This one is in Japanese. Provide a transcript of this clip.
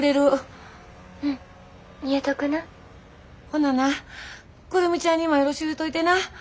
ほなな久留美ちゃんにもよろしゅう言うといてな。